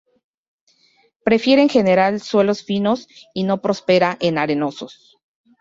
Prefiere en general suelos finos y no prospera en arenosos.